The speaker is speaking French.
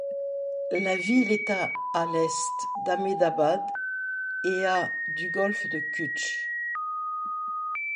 La ville est à à l'est d'Ahmedabad et à du golfe de Kutch.